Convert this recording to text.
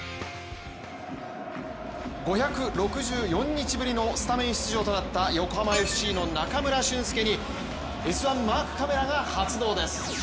５６４日ぶりのスタメン出場となった横浜ＦＣの中村俊輔に「Ｓ☆１」マークカメラが発動です。